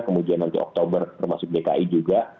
kemudian nanti oktober termasuk dki juga